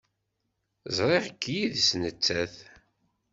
Ẓriɣ-k yid-s nettat.